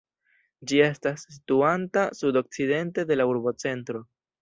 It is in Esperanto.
Ĝi estas situanta sudokcidente de la urbocentro.